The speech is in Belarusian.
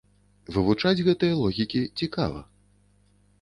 Вывучаць гэтыя логікі цікава.